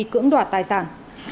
cưỡng đoạt tài sản